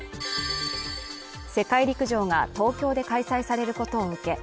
世界陸上が東京で開催されることを受け